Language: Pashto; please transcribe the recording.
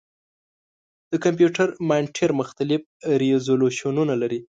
د کمپیوټر مانیټر مختلف ریزولوشنونه لري.